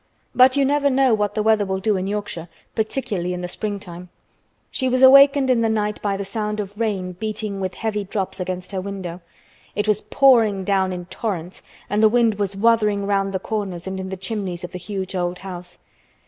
But you never know what the weather will do in Yorkshire, particularly in the springtime. She was awakened in the night by the sound of rain beating with heavy drops against her window. It was pouring down in torrents and the wind was "wuthering" round the corners and in the chimneys of the huge old house.